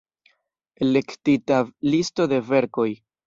Elektita listo de verkoj.